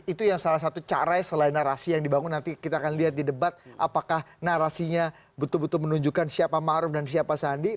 itu yang salah satu cara selain narasi yang dibangun nanti kita akan lihat di debat apakah narasinya betul betul menunjukkan siapa maruf dan siapa sandi